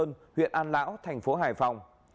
công an huyện an lão thành phố hải phòng